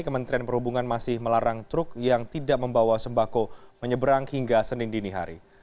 kementerian perhubungan masih melarang truk yang tidak membawa sembako menyeberang hingga senin dini hari